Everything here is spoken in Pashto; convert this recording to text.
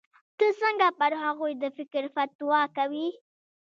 ته څنگه پر هغوى د کفر فتوا کوې.